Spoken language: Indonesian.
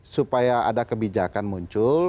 supaya ada kebijakan muncul